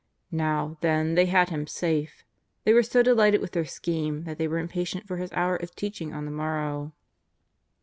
Now, then, they had Him safe. They were so delighted with their scheme that they were im patient for His hour of teaching on the morrow.